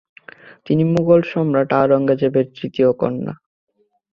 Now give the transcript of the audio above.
তিনি মোগল সম্রাট আওরঙ্গজেবের তৃতীয় কন্যা।